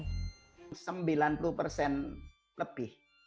sebelumnya angka kematian di provinsi ini sepuluh persen